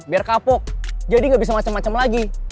lo udah kapok jadi gak bisa macem macem lagi